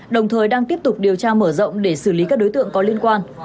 đồng thời đang tiếp tục điều tra mở rộng để xử lý các đối tượng có liên quan